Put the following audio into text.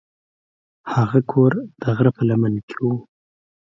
هغه کور د غره په لمن کې و.